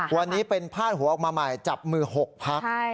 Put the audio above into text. วันนี้เป็นพาดหัวออกมาใหม่จับมือ๖พัก